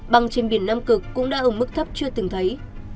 băng trên biển nam cực cũng đã ở mức thấp chưa từng thấy